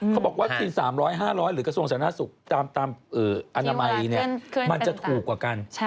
เขาบอกว่าวัคซีน๓๐๐๕๐๐หรือกระทรวงสถานะสุขตามอนามัยเนี่ยมันจะถูกกว่ากัน